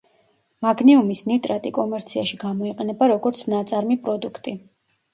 მაგნიუმის ნიტრატი კომერციაში გამოიყენება როგორც ნაწარმი პროდუქტი.